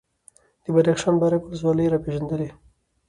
د بدخشان بارک ولسوالي یې راپېژندلې،